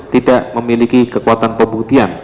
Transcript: tidak memiliki kekuatan pembuktian